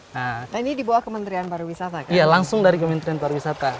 nah tak ini dibawa kementerian pariwisata laku iya langsung dari kementerian pariwisata